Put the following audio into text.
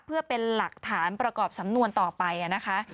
เพื่อเป็นหลักฐานประกอบสำนวนต่อไปนะคะ